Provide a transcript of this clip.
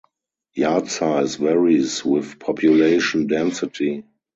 Yard size varies with population density.